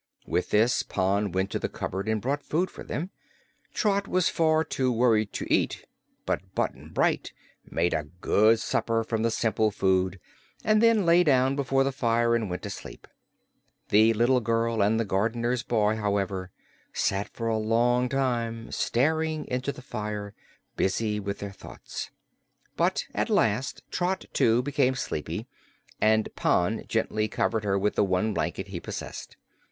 With this Pon went to the cupboard and brought food for them. Trot was far too worried to eat, but Button Bright made a good supper from the simple food and then lay down before the fire and went to sleep. The little girl and the gardener's boy, however, sat for a long time staring into the fire, busy with their thoughts. But at last Trot, too, became sleepy and Pon gently covered her with the one blanket he possessed.